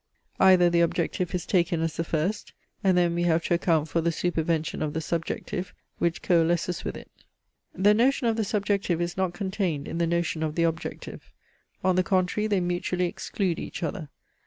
EITHER THE OBJECTIVE IS TAKEN AS THE FIRST, AND THEN WE HAVE TO ACCOUNT FOR THE SUPERVENTION OF THE SUBJECTIVE, WHICH COALESCES WITH IT. The notion of the subjective is not contained in the notion of the objective. On the contrary they mutually exclude each other.